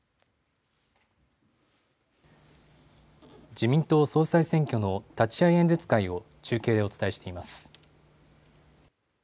自民党総裁選挙の立会演説会を中継でお伝えしています。